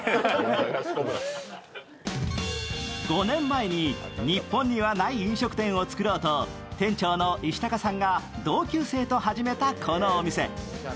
５年前に日本にはない飲食店を作ろうと店長の石高さんが同級生と始めたこのお店。